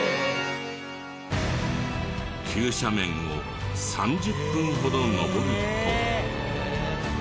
急斜面を３０分ほど上ると。